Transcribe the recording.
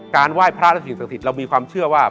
การไหว้พระอะไรสิ่งสักสิทธิเรามีความเชื่อว่า